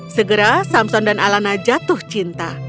segera samson dan alana jatuh cinta